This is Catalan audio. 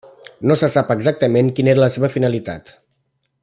No se sap exactament quina era la seva finalitat.